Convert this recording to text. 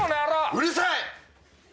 うるさい！